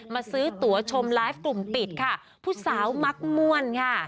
มาซื้อตัวชมไลฟ์กลุ่มปิดค่ะผู้สาวมักม่วนค่ะ